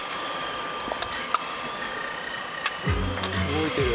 動いてる。